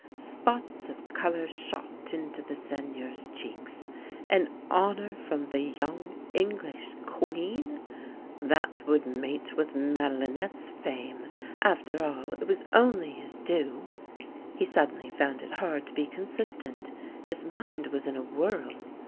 Spots of colour shot into the Seigneur's cheeks. An honour from the young English Queen !— That would mate with Madelinette's fame. After all, it was only his due. He suddenly found it hard to be consistent. His mind was in a whirl.